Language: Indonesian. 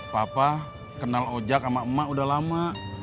papa kenal oja sama emak udah lama